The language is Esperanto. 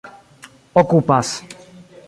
okupas